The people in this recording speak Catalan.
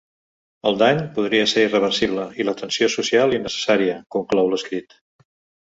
El dany podria ser irreversible i la tensió social innecessària, conclou l’escrit.